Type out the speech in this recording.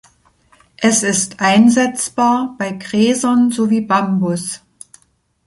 Es ist einsetzbar bei Gräsern sowie Bambus.